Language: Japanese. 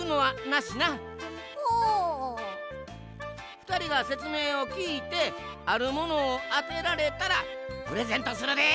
ふたりがせつめいをきいてあるものをあてられたらプレゼントするで。